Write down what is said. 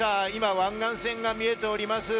湾岸線が見えております。